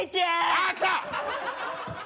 あぁ来た！